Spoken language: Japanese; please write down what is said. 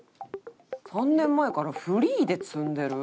「３年前からフリーで積んでる」？